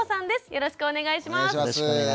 よろしくお願いします。